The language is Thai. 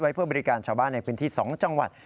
เพื่อบริการชาวบ้านในพื้นที่๒จังหวัด